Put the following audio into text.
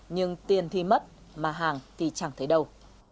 nhưng tiền thì mất mà hàng thì chẳng thấy đâu